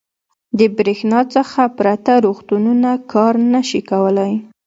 • د برېښنا څخه پرته روغتونونه کار نه شي کولی.